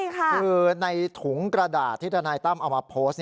คือในถุงกระดาษที่ทนายตั้มเอามาโพสต์